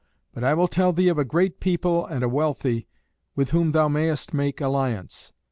But I will tell thee of a great people and a wealthy, with whom thou mayest make alliance.